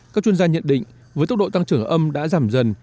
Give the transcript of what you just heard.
các chuyên gia nhận định với tốc độ tăng trưởng âm đã giảm dần